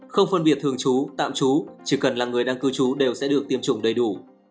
không phân biệt thường trú tạm trú chỉ cần là người đang cư trú đều sẽ được tiêm chủng đầy đủ